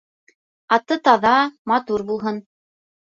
Аты таҙа, матур булһын.